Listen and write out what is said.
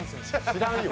知らんよ。